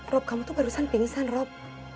rob kamu tuh barusan pingsan rob